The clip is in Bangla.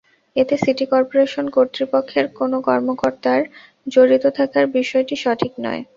এতে সিটি করপোরেশন কর্তৃপক্ষের কোনো কর্মকর্তার জড়িত থাকার বিষয়টিও সঠিক নয়।